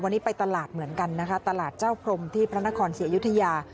วันนี้ไปตลาดเหมือนกันนะคะตลาดเจ้าพรมที่พระนครศรีอยุธยา